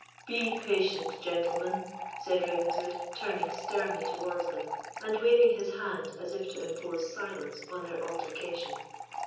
"Be patient, gentlemen," said Ravenswood, turning sternly towards them, and waving his hand as if to impose silence on their altercation.